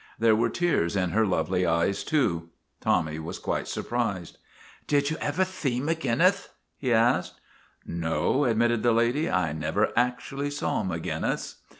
There were tears in her lovely eyes, too. Tommy was quite surprised. ' Did you ever thee Maginnith? " he asked. " No/' admitted the lady, " I never actually saw Maginnis."